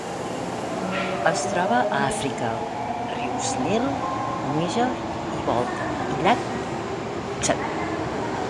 Es troba a Àfrica: rius Nil, Níger i Volta, i llac Txad.